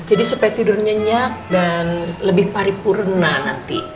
jadi supaya tidurnya nyak dan lebih paripurna nanti